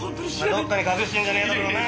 どっかに隠してるんじゃねえだろうな？